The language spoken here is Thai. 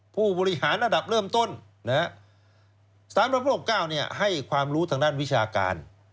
ผู้บริหารระดับเริ่มต้นสถาบันพระปกเก้าเนี่ยให้ความรู้ทางด้านวิชาการ